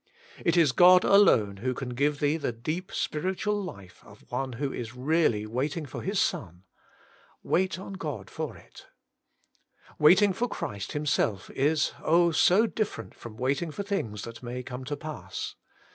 It is Qod alone who can give thee the deep spiritual 134 WAITING ON GOD/ life of one who is really waiting for His Son : wait on God for it Waiting for Christ Himself is, oh, so diflferent from waiting for things that may come to pass